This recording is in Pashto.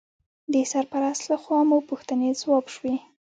د سرپرست لخوا مو پوښتنې ځواب شوې.